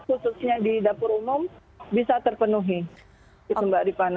khususnya di dapur umum bisa terpenuhi